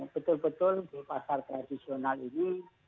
betul betul di pasar tradisional ini